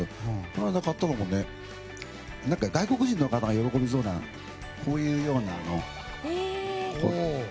この間、買ったのも外国人の方が喜びそうなこういうような。